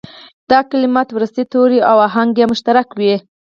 دا کلمات وروستي توري او آهنګ یې مشترک وي.